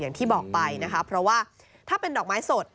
อย่างที่บอกไปนะคะเพราะว่าถ้าเป็นดอกไม้สด